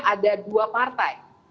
ada dua partai